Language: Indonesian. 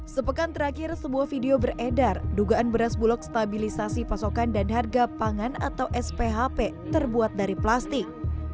sepekan terakhir sebuah video beredar dugaan beras bulog stabilisasi pasokan dan harga pangan atau sphp terbuat dari plastik